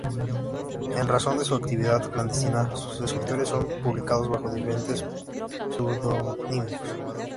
En razón de su actividad clandestina, sus escritos son publicados bajo diferentes pseudónimos.